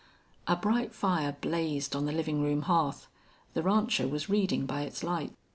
A bright fire blazed on the living room hearth. The rancher was reading by its light.